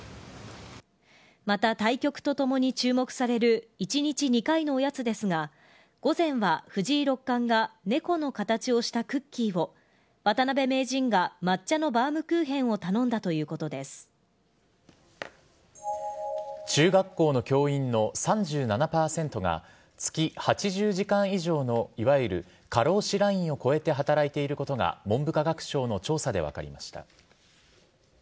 また、対局とともに注目される１日２回のおやつですが午前は藤井六冠が猫の形をしたクッキーを渡辺名人が抹茶のバウムクーヘンを中学校の教員の３７％が月８０時間以上のいわゆる過労死ラインを超えて働いていることが文部科学省の調査で分かりました。